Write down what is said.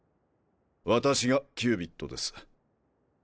私がキュービッドです。